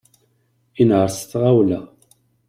Inehher s tɣawla.